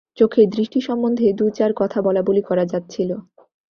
চোখের দৃষ্টি সম্বন্ধে দু-চার কথা বলাবলি করা যাচ্ছিল।